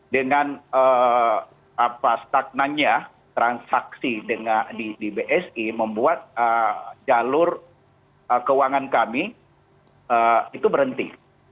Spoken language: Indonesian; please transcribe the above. dengan stagnannya transaksi di bsi membuat jalur keuangan kami itu berhenti